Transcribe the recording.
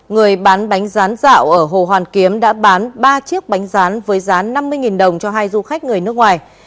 người bán bánh rán dạo ở hồ hoàn kiếm đã bán ba chiếc bánh rán với rán năm mươi đồng cho hai du khách người nước ngoài